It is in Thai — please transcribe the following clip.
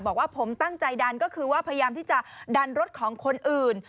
บอกว่าผมตั้งใจดันก็คือว่าพยายามที่จะดันรถของคนอื่น